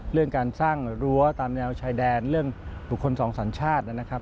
เรื่องการสร้างรั้วตามแนวชายแดนเรื่องบุคคลสองสัญชาตินะครับ